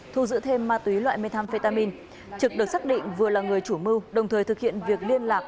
thu giữ thêm ma túy loại methamphetamine trực được xác định vừa là người chủ mưu đồng thời thực hiện việc liên lạc